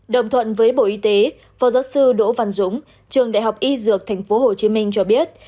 đồng thuận với bộ y tế phó giáo sư đỗ văn dũng trường đại học y dược tp hcm cho biết